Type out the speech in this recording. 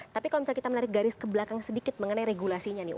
tapi kalau misalnya kita menarik garis ke belakang sedikit mengenai regulasinya nih